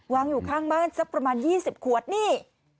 อยู่ข้างบ้านสักประมาณ๒๐ขวดนี่